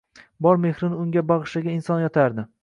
Bor mehrini unga bagʻishlagan inson yotardi.